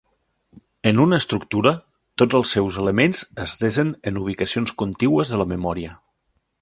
En una estructura, tots els seus elements es desen en ubicacions contigües de la memòria.